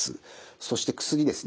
そして薬ですね。